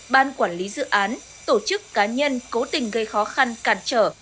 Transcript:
ban quản lý dự án tổ chức cá nhân cố tình gây khó khăn cản trở